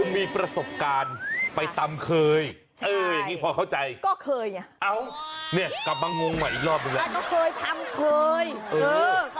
มันเหนื่อยมากเลยเมื่อคุณถามแล้ว